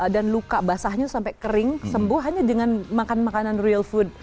dan luka basahnya sampai kering sembuh hanya dengan makan makanan real food